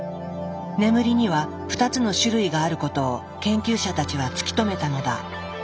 眠りには２つの種類があることを研究者たちは突き止めたのだ。